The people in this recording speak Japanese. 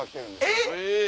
えっ！